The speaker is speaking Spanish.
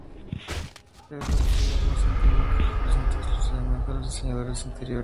Es la sociedad más antigua que representa exclusivamente a los diseñadores de interiores.